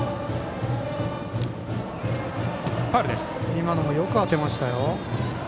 今のもよく当てましたよ。